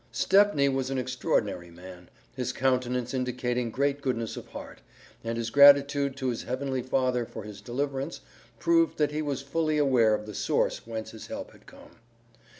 Stepney was an extraordinary man, his countenance indicating great goodness of heart, and his gratitude to his heavenly Father for his deliverance proved that he was fully aware of the Source whence his help had come.